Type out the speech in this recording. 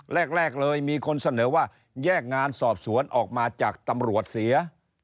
แรกเลยมีคนเสนอว่าแยกงานสอบสวนออกมาจากตำรวจเสีย